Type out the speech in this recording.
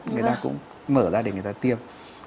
người ta cũng mở ra để người ta tiêm